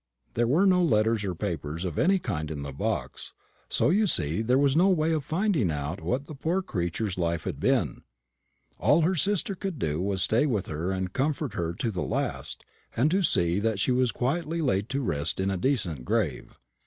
There were no letters or papers of any kind in the box; so you see there was no way of finding out what the poor creature's life had been. All her sister could do was to stay with her and comfort her to the last, and to see that she was quietly laid to rest in a decent grave.